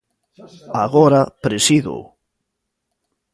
Agora presídoo.